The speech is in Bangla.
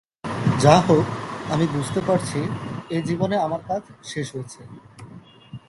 যা হোক, আমি বুঝতে পারছি, এ জীবনে আমার কাজ শেষ হয়েছে।